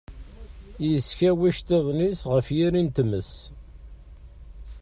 yeskaw iceṭṭiḍen-is ɣef yiri n tmes.